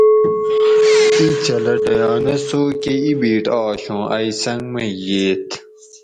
ایں چھلہ ڈیانہ سوئے کہ اِبیٹ آش اوں ائی سنگ مئے ییت